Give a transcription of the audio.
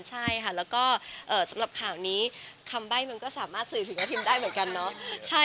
ใช่ค่ะแล้วก็สำหรับข่าวนี้คำใบ้มันก็สามารถสื่อถึงกับพิมได้เหมือนกันเนาะ